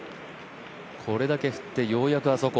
これだけ振ってようやくあそこ。